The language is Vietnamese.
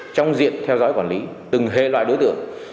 trong diện theo dõi quản lý từng hệ loại đối tượng